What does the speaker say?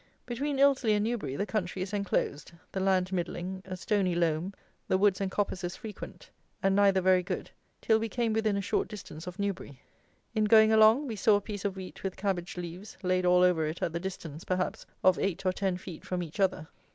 Between Ilsley and Newbury the country is enclosed; the land middling, a stony loam; the woods and coppices frequent, and neither very good, till we came within a short distance of Newbury. In going along we saw a piece of wheat with cabbage leaves laid all over it at the distance, perhaps, of eight or ten feet from each other.